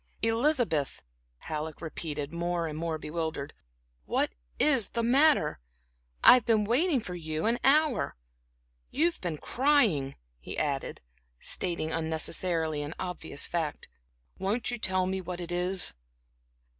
"Elizabeth," Halleck repeated, more and more bewildered, "what is the matter? I've been waiting for you an hour. You've been crying," he added, stating unnecessarily an obvious fact. "Won't you tell me what it is?"